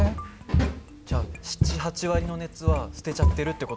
えっじゃ７８割の熱は捨てちゃってるって事なの？